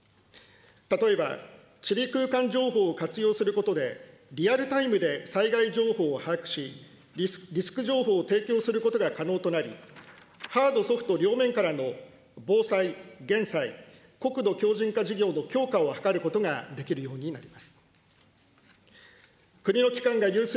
例えば地理空間情報を活用することで、リアルタイムで災害情報を把握し、リスク情報を提供することが可能となり、ハード・ソフト両面からの防災・減災・国土強じん化事業の強化を図ることができるようになります。